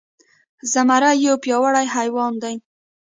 زمری يو پياوړی حيوان دی.